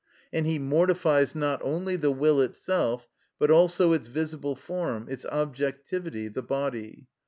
And he mortifies not only the will itself, but also its visible form, its objectivity, the body.